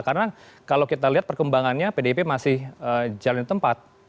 karena kalau kita lihat perkembangannya pdip masih jalan tempat